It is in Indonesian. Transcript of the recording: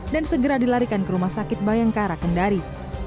dan segera dilarikan ke rumah sakit bayangkara kendari